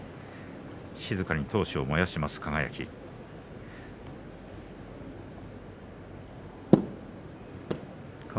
静かに闘志を燃やす輝。